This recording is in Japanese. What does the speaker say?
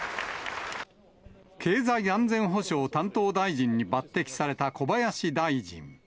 経済安全保障担当大臣に抜てきされた小林大臣。